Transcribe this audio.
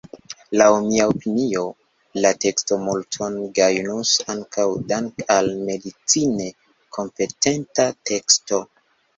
Laŭ mia opinio, la teksto multon gajnus ankaŭ dank’ al medicine kompetenta teksto.